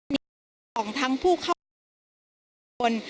ในห้องทั้งผู้เข้ามาและคน